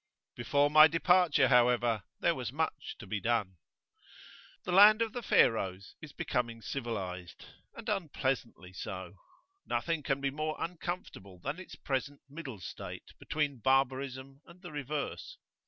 Before my departure, however, there was much to be done. The land of the Pharaohs is becoming civilised, and unpleasantly so: nothing can be more uncomfortable than its present middle state, between barbarism and the reverse.